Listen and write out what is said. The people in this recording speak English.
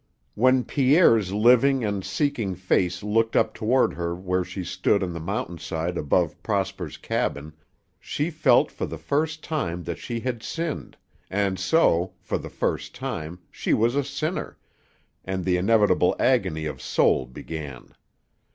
When Pierre's living and seeking face looked up toward her where she stood on the mountain side above Prosper's cabin, she felt for the first time that she had sinned, and so, for the first time, she was a sinner, and the inevitable agony of soul began.